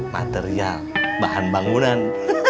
material bahan bangunan